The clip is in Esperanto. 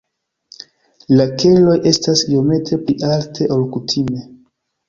La keloj estas iomete pli alte, ol kutime.